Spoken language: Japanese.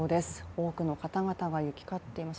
多くの方々が行き交っています。